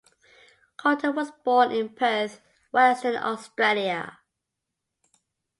Coulter was born in Perth, Western Australia.